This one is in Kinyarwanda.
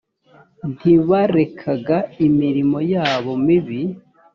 ntibarekaga imirimo yabo mibi